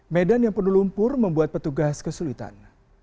medan yang penuh lumpur membuat petugas kesulitan